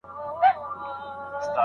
ښوونکي د شاګردانو په بریا خوشحالیږي.